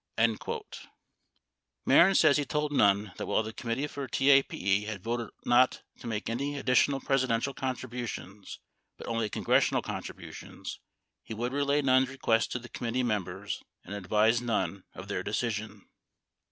89 Mehren says he told Nunn that while the Committee for TAPE had voted not to make any additional Presidential contributions but only congressional contributions, he would relay Nunn's request to the committee members and advise Nunn of their decision.